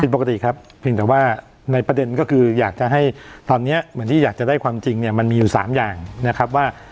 ปกติครับเพียงแต่ว่าในประเด็นก็คืออยากจะให้ตอนนี้เหมือนที่อยากจะได้ความจริงเนี่ยมันมีอยู่๓อย่างนะครับว่า